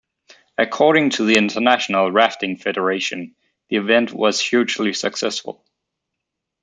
According to the International Rafting Federation, the event was hugely successful.